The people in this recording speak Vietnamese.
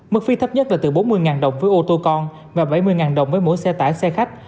mức phí thấp nhất là từ bốn mươi đồng với ô tô con và bảy mươi đồng với mỗi xe tải xe khách